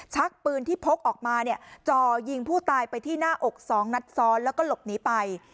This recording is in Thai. ชักปืนที่พกออกมาเนี่ยจ่อยิงผู้ตายไปที่หน้าอกสองนัดซ้อนแล้วก็หลบหนีไป